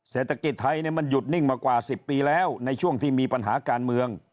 เศรษฐกิจไทยมันหยุดนิ่งมากว่า๑๐ปีแล้วในช่วงที่มีปัญหาการเมือง